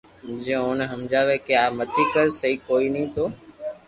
جي اوني ھمجاوي ڪي آ متي ڪر سھي ڪوئي ني ث